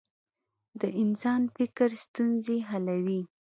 د انسان فکر ستونزې حلوي.